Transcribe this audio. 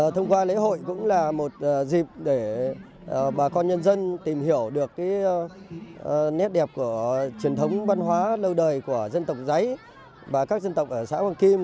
thông qua lễ hội cũng là một dịp để bà con nhân dân tìm hiểu được nét đẹp của truyền thống văn hóa lâu đời của dân tộc giấy và các dân tộc ở xã quang kim